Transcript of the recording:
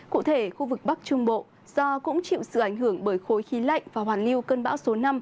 cụ thể khu vực bắc trung bộ do cũng chịu sự ảnh hưởng bởi khối khí lạnh và hoàn lưu cơn bão số năm